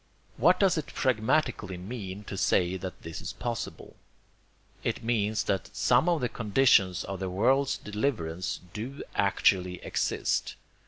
What does it pragmatically mean to say that this is possible? It means that some of the conditions of the world's deliverance do actually exist.